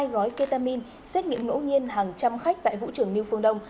hai gói ketamin xét nghiệm ngẫu nhiên hàng trăm khách tại vũ trường new phương đông